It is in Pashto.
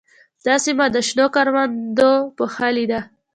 دا سیمه د شنو کروندو پوښلې ده.